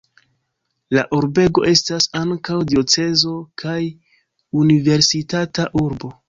La urbego estas ankaŭ diocezo kaj universitata urbo.